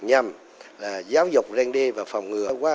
nhằm giáo dục rèn đi và phòng ngừa